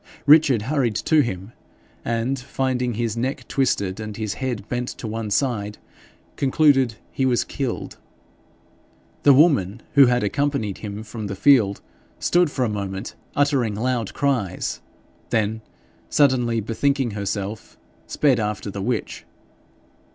Richard hurried to him, and finding his neck twisted and his head bent to one side, concluded he was killed. The woman who had accompanied him from the field stood for a moment uttering loud cries, then, suddenly bethinking herself, sped after the witch.